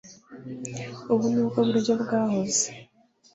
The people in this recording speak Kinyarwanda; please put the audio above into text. Ubu ni bwo buryo bwahoze